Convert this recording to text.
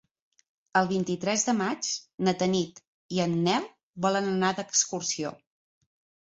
El vint-i-tres de maig na Tanit i en Nel volen anar d'excursió.